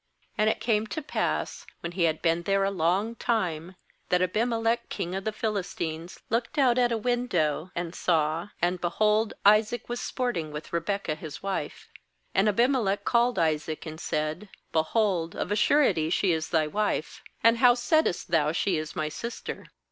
8And it came to pass, when he had been there a long time, that Abimelech king of the Philis ft That is, Red. tines looked out at a window, and saw, and, behold, Isaac was sport ing with Rebekah Ms wife. 9And Abimelech called Isaac, and said: 'Behold, of a surety she is thy; wife; and how saidst thou: She is my sister?'